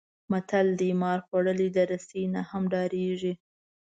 متل دی: مار خوړلی د رسۍ نه هم ډارېږي.